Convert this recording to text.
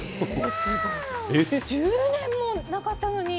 すごい。１０年もなかったのに。